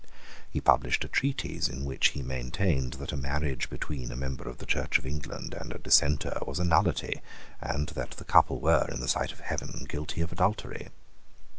He published a treatise in which he maintained that a marriage between a member of the Church of England and a dissenter was a nullity, and that the couple were, in the sight of heaven, guilty of adultery.